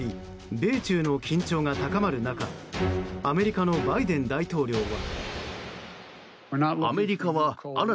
米中の緊張が高まる中アメリカのバイデン大統領は。